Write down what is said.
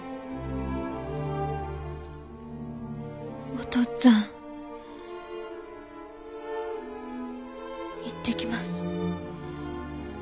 お父っつぁん行ってきます。